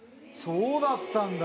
そうだったんだ。